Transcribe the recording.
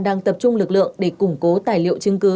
đang tập trung lực lượng để củng cố tài liệu chứng cứ